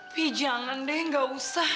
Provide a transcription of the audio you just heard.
pi jangan deh gak usah